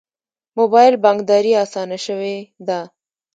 موبایل بانکداري اسانه شوې ده